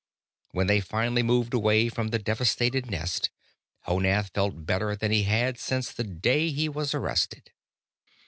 When they finally moved away from the devastated nest, Honath felt better than he had since the day he was arrested.